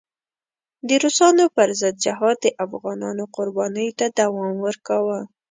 د روسانو پر ضد جهاد د افغانانو قربانیو ته دوام ورکاوه.